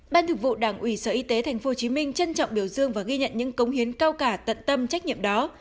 ban thực vụ đảng ủy sở y tế tp hcm trân trọng biểu dương và ghi nhận những công hiến cao cả tận tâm trách nhiệm đó